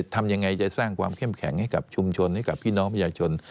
ทำยังไงจะสร้างความเข้มแข็งให้กับชุมชนให้กับพี่น้องประชาชน